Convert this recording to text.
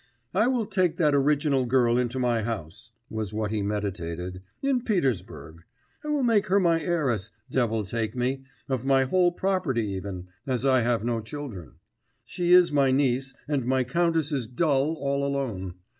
'I will take that original girl into my house,' was what he meditated, 'in Petersburg; I will make her my heiress, devil take me, of my whole property even; as I have no children. She is my niece, and my countess is dull all alone....